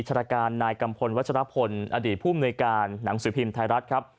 ราชการนายกัมพลวัชรพลอดีตผู้มนุยการหนังสือพิมพ์ไทยรัฐครับ